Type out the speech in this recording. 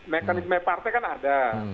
mekanisme partai kan ada